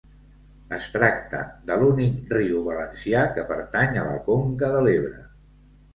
Es tracta de l'únic riu valencià que pertany a la conca de l'Ebre.